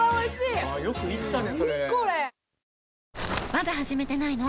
まだ始めてないの？